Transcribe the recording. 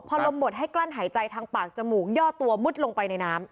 พอลมหมดให้กลั้นหายใจทางปากจมูกย่อตัวมุดลงไปในน้ำ